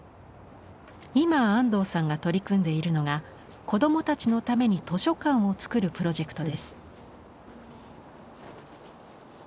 今安藤さんが取り組んでいるのが子どもたちのために図書館をつくるプロジェクトです。